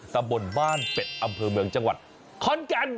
ตำบลบ้านเป็ดอำเภอเมืองจังหวัดขอนแก่น